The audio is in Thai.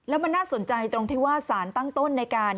แล้วมันน่าสนใจตรงที่ว่าสารตั้งต้นในการ